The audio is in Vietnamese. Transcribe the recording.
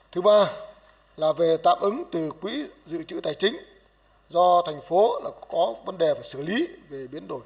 thứ ba là về tạm ứng từ quỹ dự trữ tài chính do thành phố có vấn đề phải xử lý về biến đổi